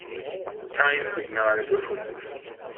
Kein Signal gefunden.